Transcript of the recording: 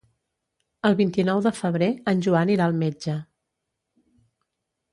El vint-i-nou de febrer en Joan irà al metge.